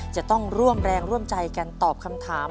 จะต้องร่วมแรงร่วมใจกันตอบคำถาม